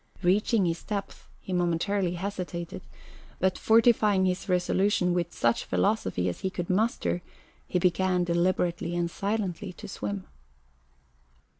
Reaching his depth, he momentarily hesitated, but fortifying his resolution with such philosophy as he could muster, he began deliberately and silently to swim.